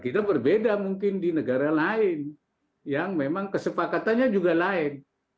kita berbeda mungkin di negara lain yang memang kesepakatannya juga lain